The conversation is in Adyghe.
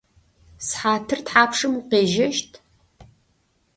Сыхьатыр тхьапшым укъежьэщт?